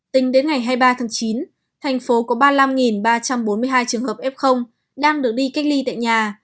tính đến ngày hai mươi ba tháng chín thành phố có ba mươi năm ba trăm bốn mươi hai trường hợp f đang được đi cách ly tại nhà